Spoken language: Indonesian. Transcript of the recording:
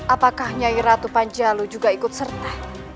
apakah nyai ratu panjalu juga ikut serta